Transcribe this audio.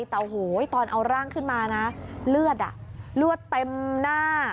แต่โหตอนเอาร่างขึ้นมานะเลือดเลือดเต็มหน้า